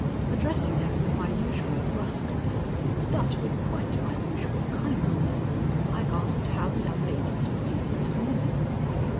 Addressing her with my usual brusqueness, but with quite my usual kindness, I asked how the young ladies were feeling this morning.